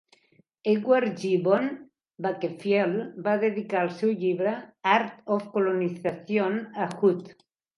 Edward Gibbon Wakefield va dedicar el seu llibre "Art of Colonization" a Hutt.